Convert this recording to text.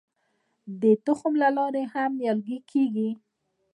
د تخم له لارې هم نیالګي کیږي.